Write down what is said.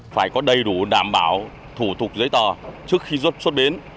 phải có đầy đủ đảm bảo thủ tục giấy tờ trước khi xuất bến